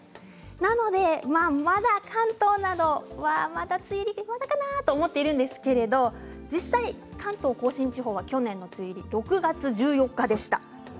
なので、まだ関東などは梅雨入りはまだかなと思っているんですけれども実際、関東甲信地方は去年の梅雨入り６月１４日でした。